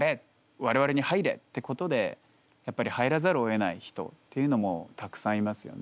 「我々に入れ！」ってことでやっぱり入らざるをえない人っていうのもたくさんいますよね。